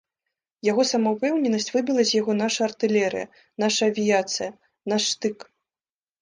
Яго самаўпэўненасць выбіла з яго наша артылерыя, наша авіяцыя, наш штык.